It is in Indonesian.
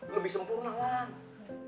lebih sempurna lam